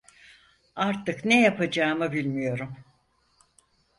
Artık ne yapacağımı bilmiyorum.